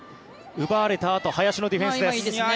奪われたあと林のディフェンスです。